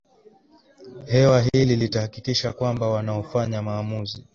hewa Hili litahakikisha kwamba wanaofanya maamuzi